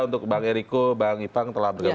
untuk bang eriko bang ipang telah bergabung